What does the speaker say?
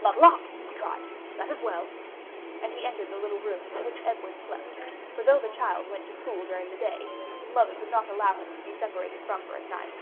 "Not locked," he cried; "that is well." And he entered the little room in which Edward slept; for though the child went to school during the day, his mother could not allow him to be separated from her at night.